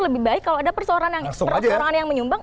lebih baik kalau ada persoalan yang menyumbang